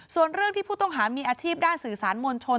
ส่วนเรื่องที่ผู้ต้องหามีอาชีพด้านสื่อสารมวลชน